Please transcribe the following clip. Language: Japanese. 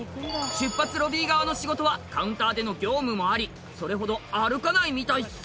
出発ロビー側の仕事はカウンターでの業務もありそれほど歩かないみたいっす。